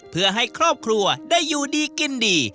เพื่อให้ครอบครัวได้อยู่ดีกินดี